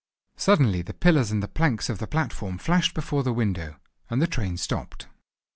Suddenly the pillars and the planks of the platform flashed before the window, and the train stopped.